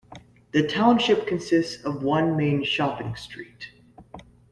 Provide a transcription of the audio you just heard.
The township consists of one main shopping street.